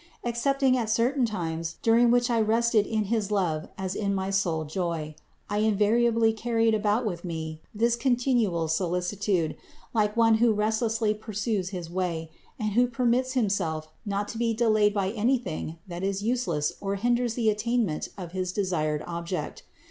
Excepting at certain times, during which I rested in his love as in my sole joy, I invariably carried about with me this continual solicitude, like one who restlessly pur 466 CITY OF GOD sues his way, and who permits himself not to be delayed by anything that is useless or hinders the attainment of his desired object.